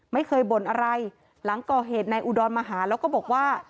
ไม่เคยบ่นอะไรหลังก่อเหตุนายอุดรมาหาแล้วก็บอกว่า